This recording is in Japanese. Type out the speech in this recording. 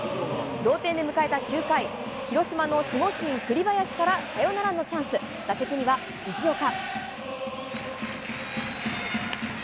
同点で迎えた９回、広島の守護神・栗林からサヨナラのチャンス、打席には藤岡。